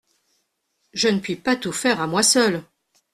Je ne puis pas tout faire à moi seul.